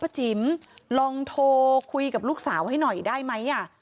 จิ๋มลองโทรคุยกับลูกสาวให้หน่อยได้ไหม